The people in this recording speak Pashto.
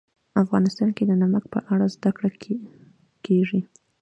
افغانستان کې د نمک په اړه زده کړه کېږي.